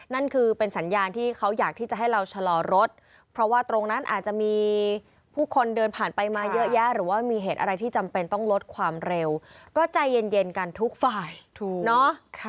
นั่นคือเป็นสัญญาณที่เขาอยากที่จะให้เราชะลอรถเพราะว่าตรงนั้นอาจจะมีผู้คนเดินผ่านไปมาเยอะแยะหรือว่ามีเหตุอะไรที่จำเป็นต้องลดความเร็วก็ใจเย็นกันทุกฝ่ายถูกเนาะ